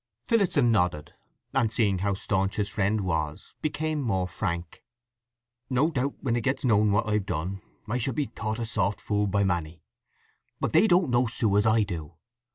Phillotson nodded, and seeing how staunch his friend was, became more frank. "No doubt when it gets known what I've done I shall be thought a soft fool by many. But they don't know Sue as I do.